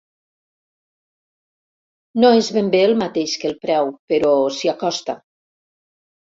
No és ben bé el mateix que el preu, però s'hi acosta.